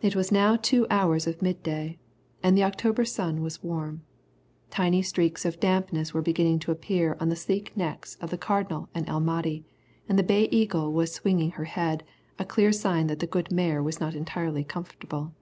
It was now two hours of midday, and the October sun was warm. Tiny streaks of dampness were beginning to appear on the sleek necks of the Cardinal and El Mahdi, and the Bay Eagle was swinging her head, a clear sign that the good mare was not entirely comfortable.